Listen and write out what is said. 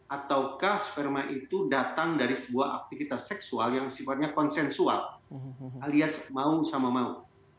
ataukah sperma itu datang dari sebuah aktivitas seksual yang sifatnya konsensual alias mau sama mau